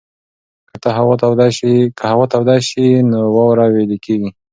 که هوا توده شي نو واوره ویلې کېږي.